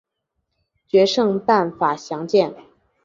决胜办法详见。